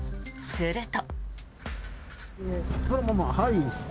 すると。